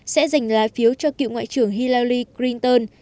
sẽ giành lái phiếu cho cựu ngoại trưởng hillary clinton